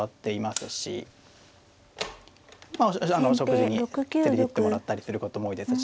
まあお食事に連れていってもらったりすることも多いですし。